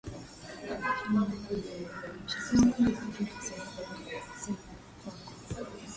Hakikisha umedumisha usafi kila sehemu kazini kwako